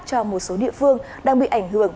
cho một số địa phương đang bị ảnh hưởng